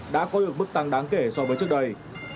đã có được mức tăng đáng kể so với trước đây